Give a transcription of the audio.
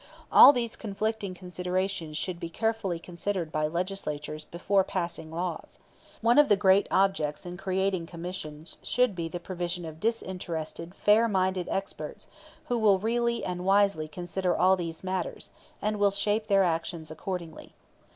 All these conflicting considerations should be carefully considered by Legislatures before passing laws. One of the great objects in creating commissions should be the provision of disinterested, fair minded experts who will really and wisely consider all these matters, and will shape their actions accordingly.